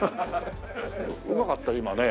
うまかった今ね。